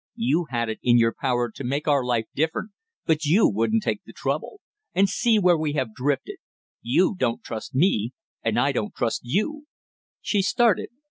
"You had it in your power to make our life different, but you wouldn't take the trouble; and see where we have drifted; you don't trust me and I don't trust you " She started.